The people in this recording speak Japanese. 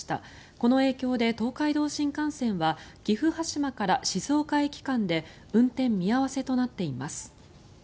この影響で東海新幹線は岐阜羽島から静岡駅間で運転見合わせとなっています。